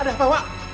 ada apa wah